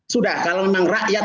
sudah kalau memang rakyat